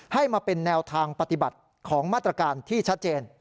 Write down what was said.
ให้มาเป็นแนวทางปฏิบัติของมาตรการที่ชัดเจน